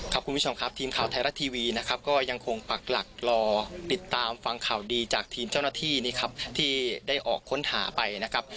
คุณผู้ชมครับทีมข่าวไทยรัฐทีวีนะครับก็ยังคงปักหลักรอติดตามฟังข่าวดีจากทีมเจ้าหน้าที่นี่ครับที่ได้ออกค้นหาไปนะครับ